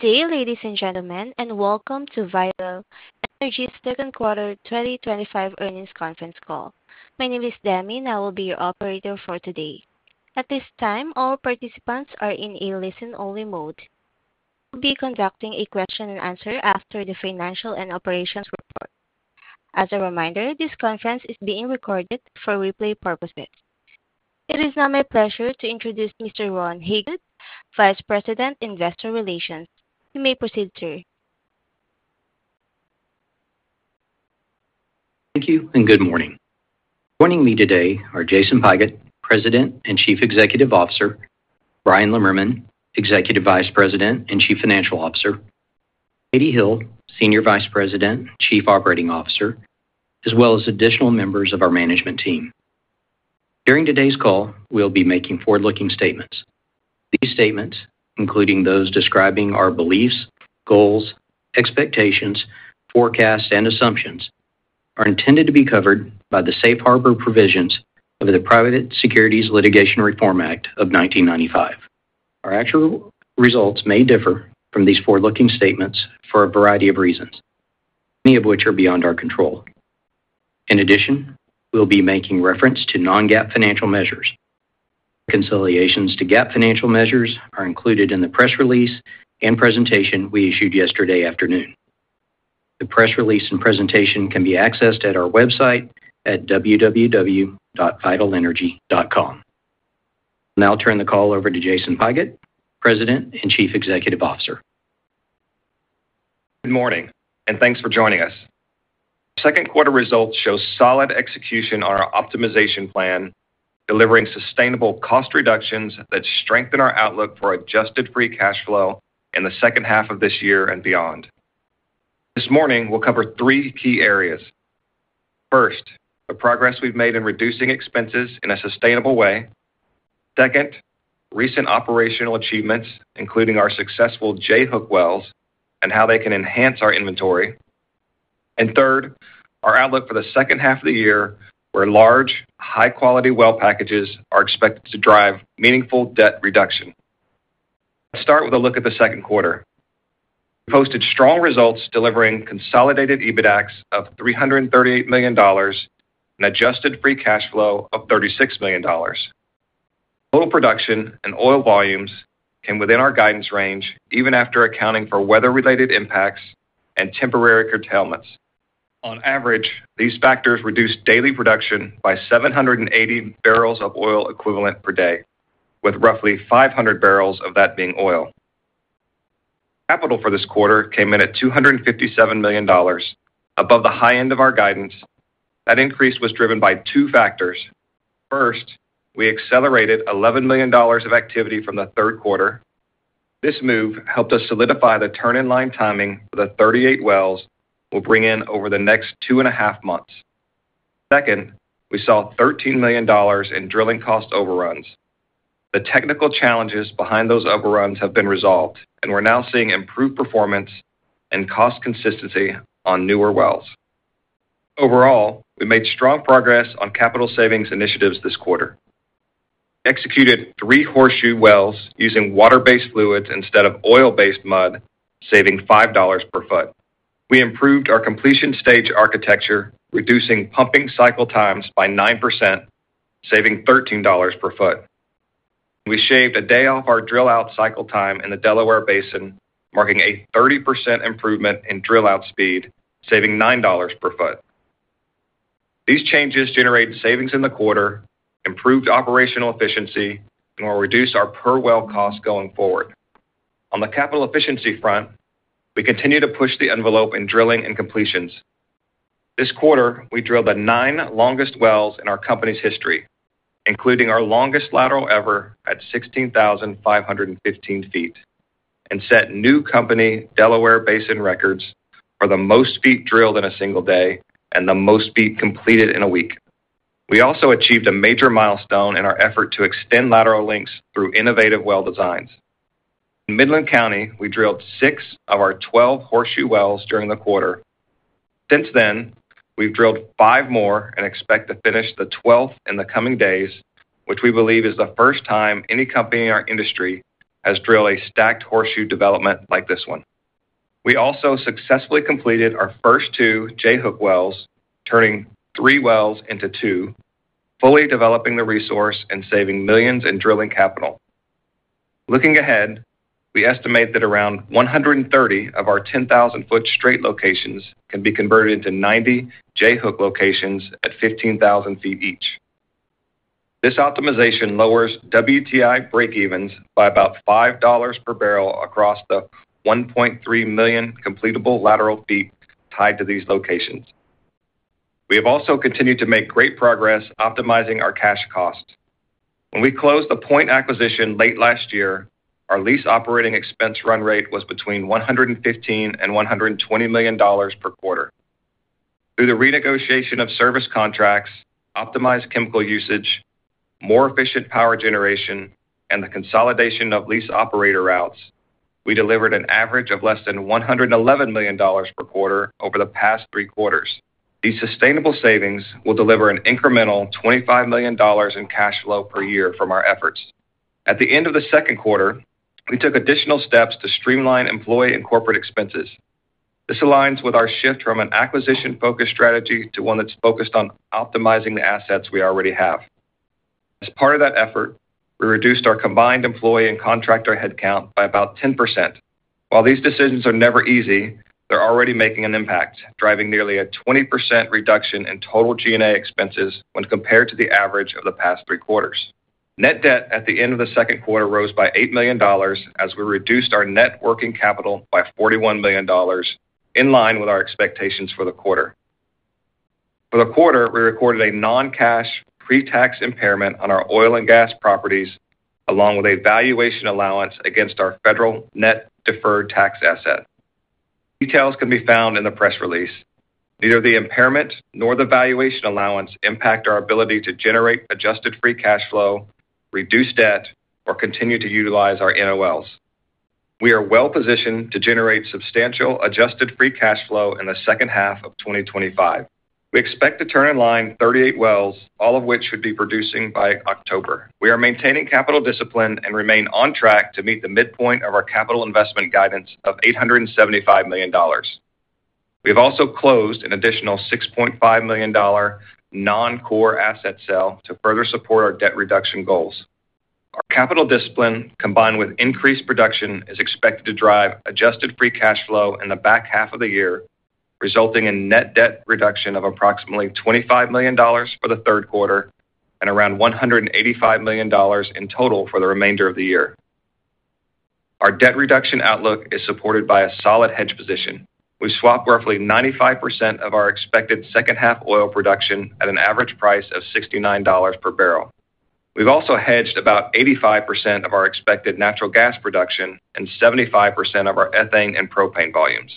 Dear ladies and gentlemen, and welcome to Vital Energy's Second Quarter 2025 Earnings Conference Call. My name is Demi, and I will be your operator for today. At this time, all participants are in a listen-only mode. We will be conducting a question and answer after the financial and operations report. As a reminder, this conference is being recorded for replay purposes. It is now my pleasure to introduce Mr. Ron Hagood, Vice President, Investor Relations. You may proceed, sir. Thank you, and good morning. Joining me today are Jason Pigott, President and Chief Executive Officer, Bryan Lemmerman, Executive Vice President and Chief Financial Officer, Katie Hill, Senior Vice President and Chief Operating Officer, as well as additional members of our management team. During today's call, we'll be making forward-looking statements. These statements, including those describing our beliefs, goals, expectations, forecasts, and assumptions, are intended to be covered by the Safe Harbor provisions under the Private Securities Litigation Reform Act of 1995. Our actual results may differ from these forward-looking statements for a variety of reasons, many of which are beyond our control. In addition, we'll be making reference to non-GAAP financial measures. Reconciliations to GAAP financial measures are included in the press release and presentation we issued yesterday afternoon. The press release and presentation can be accessed at our website at www.vitalenergy.com. I'll now turn the call over to Jason Pigott, President and Chief Executive Officer. Good morning, and thanks for joining us. The second quarter results show solid execution on our optimization plan, delivering sustainable cost reductions that strengthen our outlook for adjusted free cash flow in the second half of this year and beyond. This morning, we'll cover three key areas. First, the progress we've made in reducing expenses in a sustainable way. Second, recent operational achievements, including our successful J-hook wells and how they can enhance our inventory. Third, our outlook for the second half of the year, where large, high-quality well packages are expected to drive meaningful debt reduction. Let's start with a look at the second quarter. We posted strong results, delivering consolidated EBITDA of $338 million and adjusted free cash flow of $36 million. Total production and oil volumes came within our guidance range, even after accounting for weather-related impacts and temporary curtailments. On average, these factors reduced daily production by 780 bbls of oil equivalent per day, with roughly 500 bbls of that being oil. Capital for this quarter came in at $257 million, above the high end of our guidance. That increase was driven by two factors. First, we accelerated $11 million of activity from the third quarter. This move helped us solidify the turn-in-line timing for the 38 wells we'll bring in over the next two and a half months. Second, we saw $13 million in drilling cost overruns. The technical challenges behind those overruns have been resolved, and we're now seeing improved performance and cost consistency on newer wells. Overall, we made strong progress on capital savings initiatives this quarter. We executed three horseshoe wells using water-based fluids instead of oil-based mud, saving $5 per foot. We improved our completion stage architecture, reducing pumping cycle times by 9%, saving $13 per foot. We shaved a day off our drill-out cycle time in the Delaware Basin, marking a 30% improvement in drill-out speed, saving $9 per foot. These changes generated savings in the quarter, improved operational efficiency, and will reduce our per-well cost going forward. On the capital efficiency front, we continue to push the envelope in drilling and completions. This quarter, we drilled the nine longest wells in our company's history, including our longest lateral ever at 16,515 ft, and set new company Delaware Basin records for the most feet drilled in a single day and the most feet completed in a week. We also achieved a major milestone in our effort to extend lateral lengths through innovative well designs. In Midland County, we drilled six of our 12 horseshoe wells during the quarter. Since then, we've drilled five more and expect to finish the 12th in the coming days, which we believe is the first time any company in our industry has drilled a stacked horseshoe development like this one. We also successfully completed our first two J-hook wells, turning three wells into two, fully developing the resource and saving millions in drilling capital. Looking ahead, we estimate that around 130of our 10,000 ft straight locations can be converted into 90 J-hook locations at 15,000 ft each. This optimization lowers WTI breakevens by about $5 per barrel across the 1.3 million completable lateral feet tied to these locations. We have also continued to make great progress optimizing our cash cost. When we closed the Point acquisition late last year, our lease operating expense run rate was between $115 million and $120 million per quarter. Through the renegotiation of service contracts, optimized chemical usage, more efficient power generation, and the consolidation of lease operator routes, we delivered an average of less than $111 million per quarter over the past three quarters. These sustainable savings will deliver an incremental $25 million in cash flow per year from our efforts. At the end of the second quarter, we took additional steps to streamline employee and corporate expenses. This aligns with our shift from an acquisition-focused strategy to one that's focused on optimizing the assets we already have. As part of that effort, we reduced our combined employee and contractor headcount by about 10%. While these decisions are never easy, they're already making an impact, driving nearly a 20% reduction in total G&A expenses when compared to the average of the past three quarters. Net debt at the end of the second quarter rose by $8 million, as we reduced our net working capital by $41 million, in line with our expectations for the quarter. For the quarter, we recorded a non-cash pre-tax impairment on our oil and gas properties, along with a valuation allowance against our federal net deferred tax asset. Details can be found in the press release. Neither the impairment nor the valuation allowance impact our ability to generate adjusted free cash flow, reduce debt, or continue to utilize our NOLs. We are well-positioned to generate substantial adjusted free cash flow in the second half of 2025. We expect to turn in line 38 wells, all of which should be producing by October. We are maintaining capital discipline and remain on track to meet the midpoint of our capital investment guidance of $875 million. We have also closed an additional $6.5 million non-core asset sale to further support our debt reduction goals. Capital discipline, combined with increased production, is expected to drive adjusted free cash flow in the back half of the year, resulting in net debt reduction of approximately $25 million for the third quarter and around $185 million in total for the remainder of the year. Our debt reduction outlook is supported by a solid hedge position. We've swapped roughly 95% of our expected second half oil production at an average price of $69 per barrel. We've also hedged about 85% of our expected natural gas production and 75% of our ethane and propane volumes.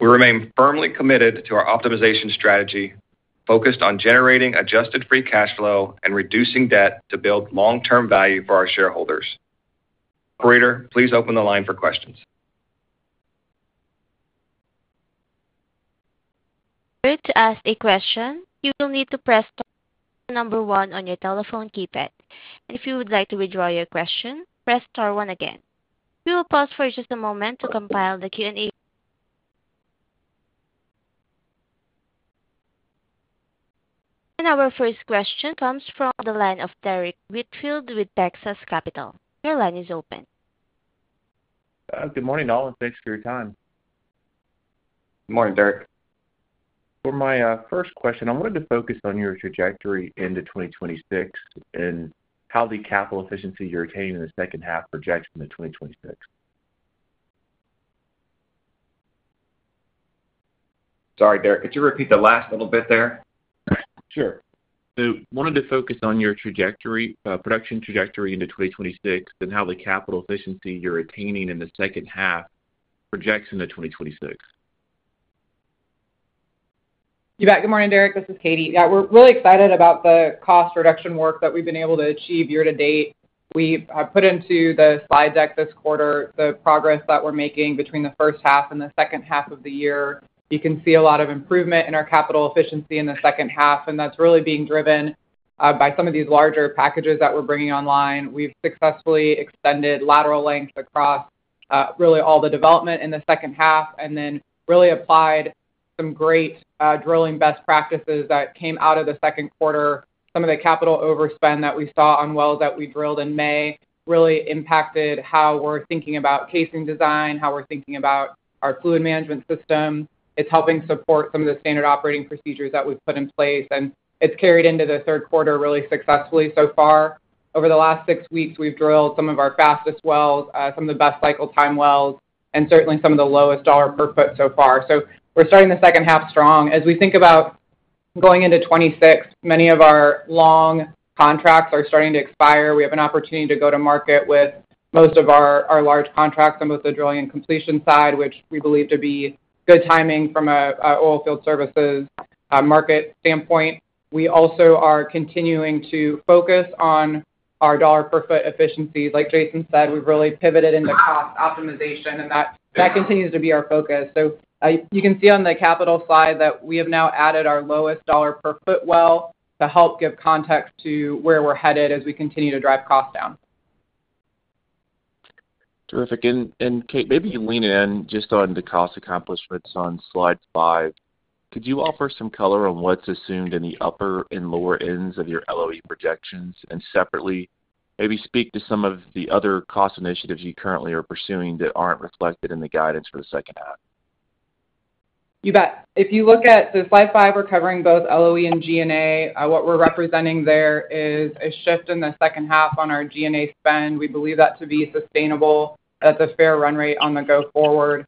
We remain firmly committed to our optimization strategy, focused on generating adjusted free cash flow and reducing debt to build long-term value for our shareholders. Operator, please open the line for questions. To ask a question, you will need to press Star number one on your telephone keypad. If you would like to withdraw your question, press Star, one again. We will pause for just a moment to compile the Q&A. Our first question comes from the line of Derrick Whitfield with Texas Capital. Your line is open. Good morning, all, and thanks for your time. Good morning, Derrick. For my first question, I wanted to focus on your trajectory into 2026 and how the capital efficiency you're attaining in the second half projects into 2026. Sorry, Derrick, could you repeat the last little bit there? Sure. I wanted to focus on your trajectory, production trajectory into 2026, and how the capital efficiency you're attaining in the second half projects into 2026. You bet. Good morning, Derrick. This is Katie. Yeah, we're really excited about the cost reduction work that we've been able to achieve year to date. We have put into the slide deck this quarter the progress that we're making between the first half and the second half of the year. You can see a lot of improvement in our capital efficiency in the second half, and that's really being driven by some of these larger packages that we're bringing online. We've successfully extended lateral lengths across really all the development in the second half and then really applied some great drilling best practices that came out of the second quarter. Some of the capital overspend that we saw on wells that we drilled in May really impacted how we're thinking about casing design, how we're thinking about our fluid management system. It's helping support some of the standard operating procedures that we've put in place, and it's carried into the third quarter really successfully so far. Over the last six weeks, we've drilled some of our fastest wells, some of the best cycle time wells, and certainly some of the lowest dollar per foot so far. We're starting the second half strong. As we think about going into 2026, many of our long contracts are starting to expire. We have an opportunity to go to market with most of our large contracts on both the drilling and completion side, which we believe to be good timing from an oilfield services market standpoint. We also are continuing to focus on our dollar per foot efficiency. Like Jason said, we've really pivoted into cost optimization, and that continues to be our focus. You can see on the capital slide that we have now added our lowest dollar per foot well to help give context to where we're headed as we continue to drive cost down. Terrific. Katie, maybe you lean in just on the cost accomplishments on slide five. Could you offer some color on what's assumed in the upper and lower ends of your LOE projections, and separately maybe speak to some of the other cost initiatives you currently are pursuing that aren't reflected in the guidance for the second half? You bet. If you look at slide five, we're covering both LOE and G&A. What we're representing there is a shift in the second half on our G&A spend. We believe that to be sustainable, that's a fair run rate on the go forward.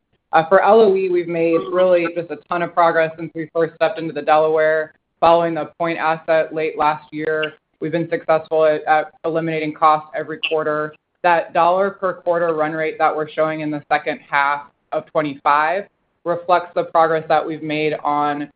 For LOE, we've made really just a ton of progress since we first stepped into the Delaware. Following the point asset late last year, we've been successful at eliminating cost every quarter. That dollar per quarter run rate that we're showing in the second half of 2025 reflects the progress that we've made on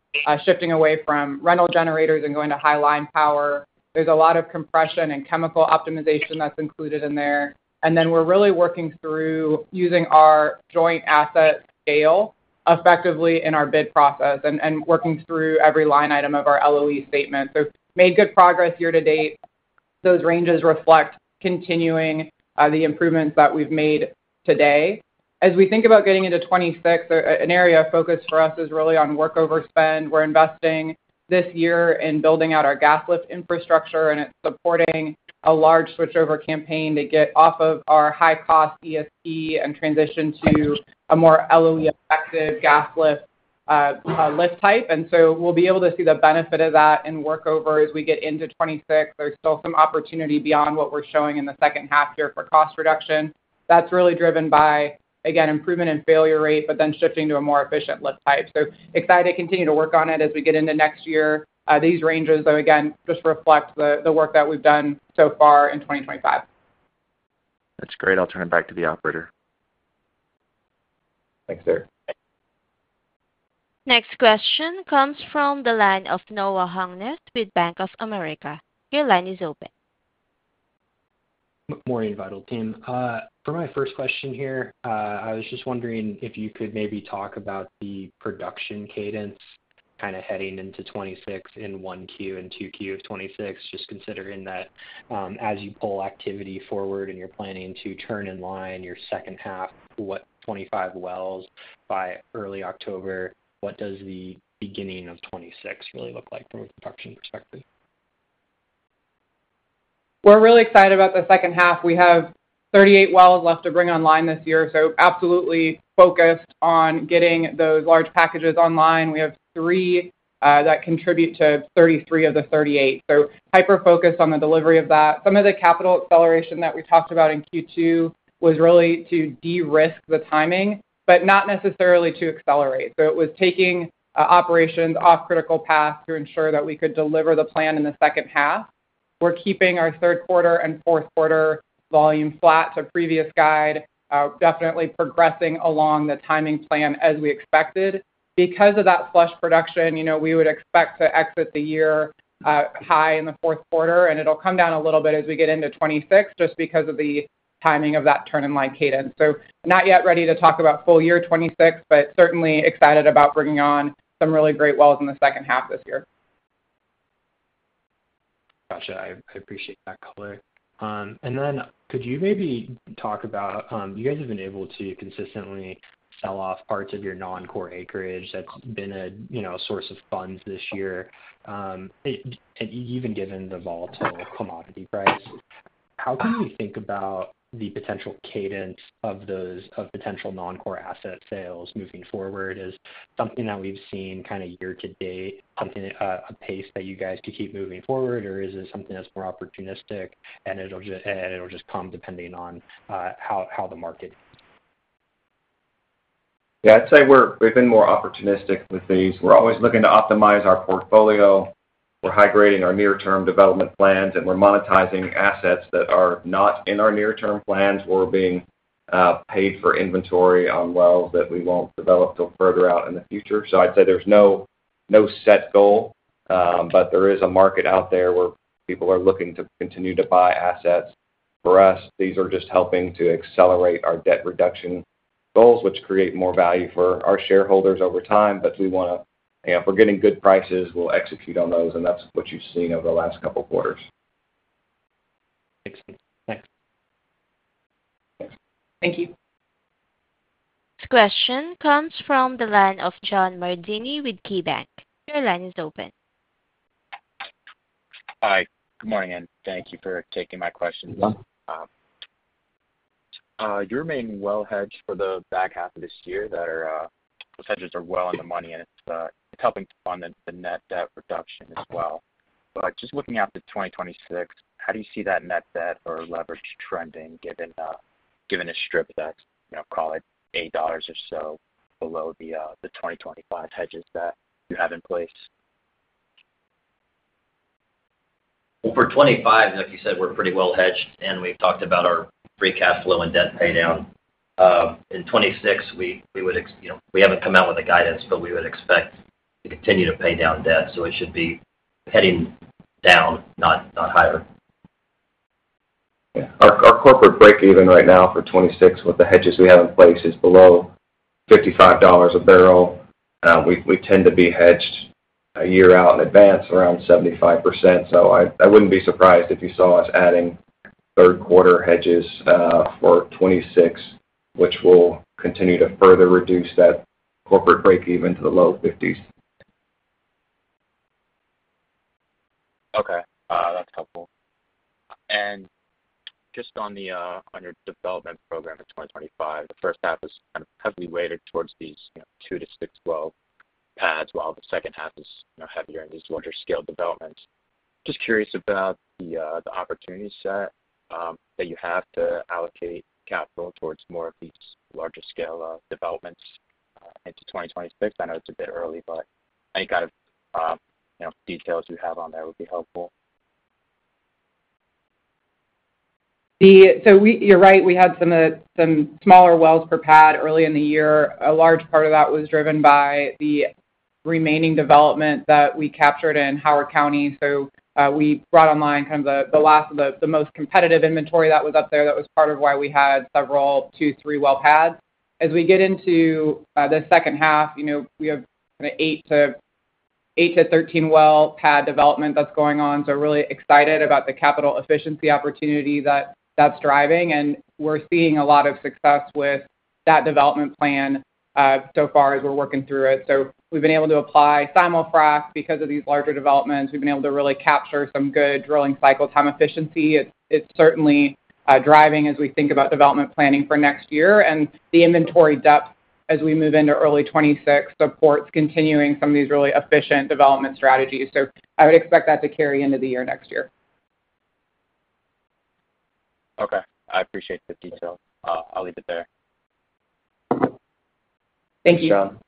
shifting away from rental generators and going to high line power. There's a lot of compression and chemical optimization that's included in there. We're really working through using our joint asset scale effectively in our bid process and working through every line item of our LOE statement. Made good progress year to date. Those ranges reflect continuing the improvements that we've made today. As we think about getting into 2026, an area of focus for us is really on workover spend. We're investing this year in building out our gas lift infrastructure, and it's supporting a large switchover campaign to get off of our high-cost ESP and transition to a more LOE-effective gas lift type. We'll be able to see the benefit of that in workover as we get into 2026. There's still some opportunity beyond what we're showing in the second half here for cost reduction. That's really driven by, again, improvement in failure rate, but then shifting to a more efficient lift type. Excited to continue to work on it as we get into next year. These ranges, though, again, just reflect the work that we've done so far in 2025. That's great. I'll turn it back to the operator. Thanks, Derrick. Next question comes from the line of Noah Hungness with Bank of America. Your line is open. Good morning, Vital team. For my first question here, I was just wondering if you could maybe talk about the production cadence kind of heading into 2026 in 1Q and 2Q of 2026, just considering that as you pull activity forward and you're planning to turn in line your second half, what 25 wells by early October, what does the beginning of 2026 really look like from a production perspective? We're really excited about the second half. We have 38 wells left to bring online this year, so absolutely focused on getting those large packages online. We have three that contribute to 33 of the 38. We're hyper-focused on the delivery of that. Some of the capital acceleration that we talked about in Q2 was really to de-risk the timing, but not necessarily to accelerate. It was taking operations off critical paths to ensure that we could deliver the plan in the second half. We're keeping our third quarter and fourth quarter volume flat to previous guide, definitely progressing along the timing plan as we expected. Because of that flush production, we would expect to exit the year high in the fourth quarter, and it'll come down a little bit as we get into 2026 just because of the timing of that turn-in-line cadence. We're not yet ready to talk about full year 2026, but certainly excited about bringing on some really great wells in the second half this year. Gotcha. I appreciate that color. Could you maybe talk about you guys have been able to consistently sell off parts of your non-core acreage that's been a source of funds this year, and even given the volatile commodity price. How can you think about the potential cadence of those potential non-core asset sales moving forward? Is something that we've seen kind of year to date something at a pace that you guys could keep moving forward, or is it something that's more opportunistic and it'll just come depending on how the market? Yeah, I'd say we've been more opportunistic with these. We're always looking to optimize our portfolio. We're high-grading our near-term development plans, and we're monetizing assets that are not in our near-term plans. We're being paid for inventory on wells that we won't develop till further out in the future. I'd say there's no set goal, but there is a market out there where people are looking to continue to buy assets. For us, these are just helping to accelerate our debt reduction goals, which create more value for our shareholders over time. If we're getting good prices, we'll execute on those, and that's what you've seen over the last couple of quarters. Excellent. Thanks. Thank you. Next question comes from the line of Jon Mardini with KeyBanc. Your line is open. Hi. Good morning, and thank you for taking my question. Your main well hedge for the back half of this year, that are hedges that are well in the money, and it's helping to fund the net debt reduction as well. Just looking out to 2026, how do you see that net debt or leverage trending given a strip that's, you know, call it $8 or so below the 2025 hedges that you have in place? For 2025, like you said, we're pretty well hedged, and we've talked about our free cash flow and debt paydown. In 2026, we would, you know, we haven't come out with a guidance, but we would expect to continue to pay down debt. It should be heading down, not higher. Our corporate break-even right now for 2026 with the hedges we have in place is below $55 a barrel. We tend to be hedged a year out in advance around 75%. I wouldn't be surprised if you saw us adding third-quarter hedges for 2026, which will continue to further reduce that corporate break-even to the low $50s. Okay. That's helpful. Just on your development program in 2025, the first half is kind of heavily weighted towards these two to six well pads, while the second half is heavier in these larger scale developments. I'm just curious about the opportunity set that you have to allocate capital towards more of these larger scale developments into 2026. I know it's a bit early, but any kind of details you have on there would be helpful. You're right. We had some smaller wells per pad early in the year. A large part of that was driven by the remaining development that we captured in Howard County. We brought online kind of the last of the most competitive inventory that was up there. That was part of why we had several two, three well pads. As we get into the second half, we have kind of 8-13 well pad development that's going on. Really excited about the capital efficiency opportunity that that's driving. We're seeing a lot of success with that development plan so far as we're working through it. We've been able to apply simulfrast because of these larger developments. We've been able to really capture some good drilling cycle time efficiency. It's certainly driving as we think about development planning for next year. The inventory depth as we move into early 2026 supports continuing some of these really efficient development strategies. I would expect that to carry into the year next year. Okay, I appreciate the detail. I'll leave it there. Thank you,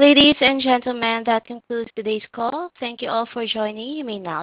John. Ladies and gentlemen, that concludes today's call. Thank you all for joining. You may now disconnect.